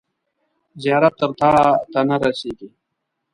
زیارت تر تاته نه رسیږي.